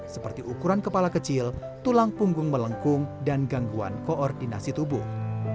seperti ukuran kepala kecil tulang punggung melengkung dan gangguan koordinasi tubuh